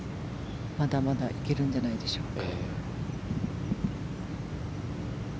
まだまだ行けるんじゃないでしょうか。